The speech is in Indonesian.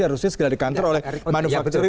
harusnya sekedar dikantor oleh manufacturing attention